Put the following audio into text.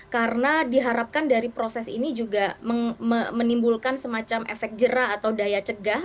karena diharapkan dari proses ini juga menimbulkan semacam efek jera atau daya cegah